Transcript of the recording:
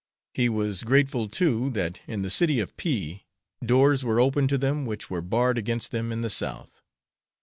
He was grateful, too, that in the city of P doors were open to them which were barred against them in the South.